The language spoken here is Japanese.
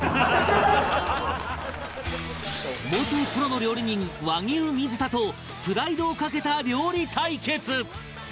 元プロの料理人和牛水田とプライドを懸けた料理対決！